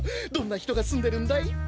どんなひとがすんでるんだい？